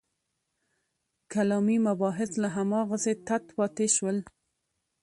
کلامي مباحث لا هماغسې تت پاتې شول.